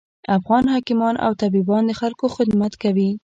افغان حکیمان او طبیبان د خلکوخدمت کوي